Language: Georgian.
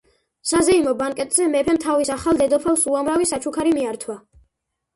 საზეიმო ბანკეტზე მეფემ თავის ახალ დედოფალს უამრავი საჩუქარი მიართვა.